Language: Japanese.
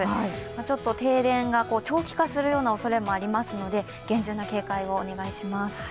ちょっと停電が、長期化するようなおそれもありますので厳重な警戒をお願いします。